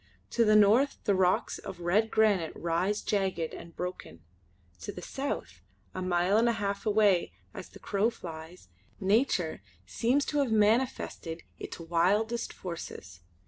To the north the rocks of red granite rise jagged and broken. To the south, a mile and a half away as the crow flies, Nature seems to have manifested its wildest forces.